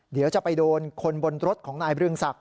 เดี๋ยวจะไปโดนคนบนรถของนายบเรืองศักดิ